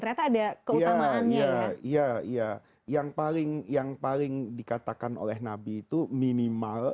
ternyata ada ya iya yang paling yang paling dikatakan oleh nabi itu minimal